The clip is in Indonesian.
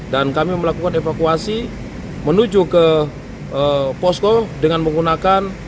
dan kami melakukan evakuasi menuju ke posko dengan menggunakan